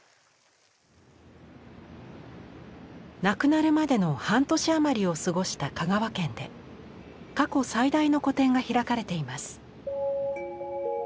亡くなるまでの半年余りを過ごした香川県で過去最大の個展が開かれています。